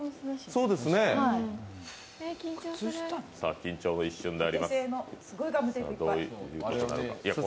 緊張の一瞬であります。